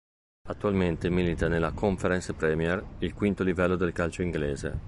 Attualmente milita nella Conference Premier, il quinto livello del calcio inglese.